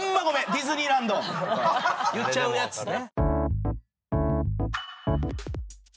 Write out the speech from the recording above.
ディズニーランド」とか言っちゃうやつね。